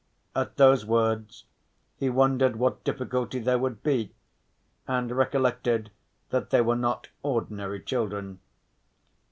At those words he wondered what difficulty there would be and recollected that they were not ordinary children.